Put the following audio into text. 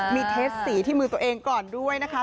มีเทสสีที่มือตัวเองก่อนด้วยนะคะ